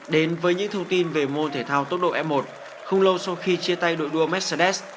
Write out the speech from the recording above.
đến với những thông tin về môn thể thao tốc độ f một không lâu sau khi chia tay đội đua mercedes